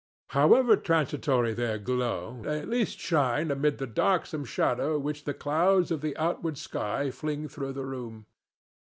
However transitory their glow, they at least shine amid the darksome shadow which the clouds of the outward sky fling through the room.